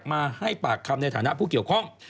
มาให้ปากคำในฐานะผู้เกี่ยวข้อง